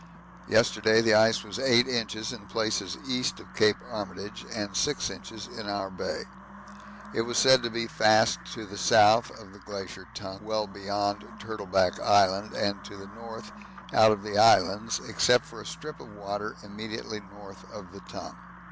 Yesterday the ice was 8 inches in places east of Cape Armitage and 6 inches in our Bay: it was said to be fast to the south of the Glacier Tongue well beyond Turtleback Island and to the north out of the Islands, except for a strip of water immediately north of the Tongue.